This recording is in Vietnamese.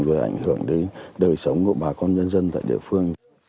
rồi ảnh hưởng đến đời sống của bà con